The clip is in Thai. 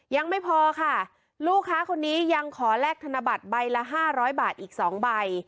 ยังไม่พอค่ะลูกค้าคนนี้ยังขอแลกธนบัตรใบละ๕๐๐บาทอีก๒ใบ